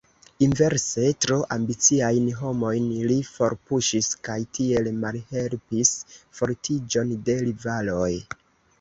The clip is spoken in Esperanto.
Inverse, tro ambiciajn homojn li forpuŝis kaj tiel malhelpis fortiĝon de rivaloj.